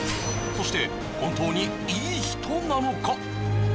そして本当にいい人なのか？